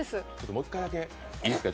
もう一回だけいいですか。